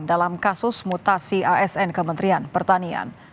dalam kasus mutasi asn kementerian pertanian